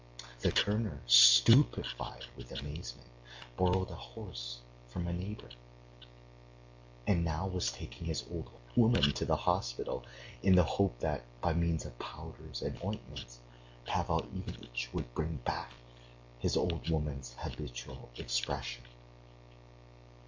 The turner, stupefied with amazement, borrowed a horse from a neighbor, and now was taking his old woman to the hospital in the hope that, by means of powders and ointments, Pavel Ivanitch would bring back his old woman's habitual expression.